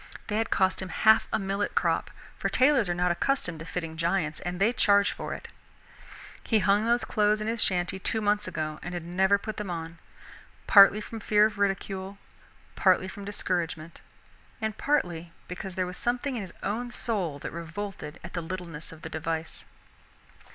They had cost him half a millet crop; for tailors are not accustomed to fitting giants and they charge for it. He had hung those clothes in his shanty two months ago and had never put them on, partly from fear of ridicule, partly from discouragement, and partly because there was something in his own soul that revolted at the littleness of the device.